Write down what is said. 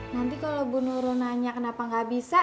nanti kalau bu nurul nanya kenapa nggak bisa